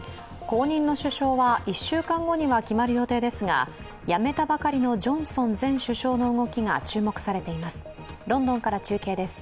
後任の首相は、１週間後には決まる予定ですが辞めたばかりのジョンソン前首相の動きが注目されています。